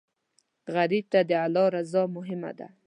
غریب ته د الله رضا مهمه ده